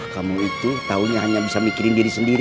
kamu itu tahunya hanya bisa mikirin diri sendiri